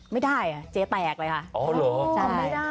ไม่ได้เจ๊แตกเลยค่ะ